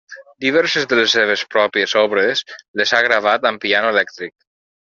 Diverses de les seves pròpies obres les ha gravat amb piano elèctric.